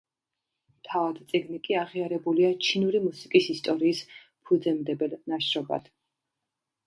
თავად წიგნი კი აღიარებულია ჩინური მუსიკის ისტორიის ფუძემდებელ ნაშრომად.